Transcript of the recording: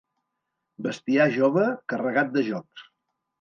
Bestiar jove, carregat de jocs.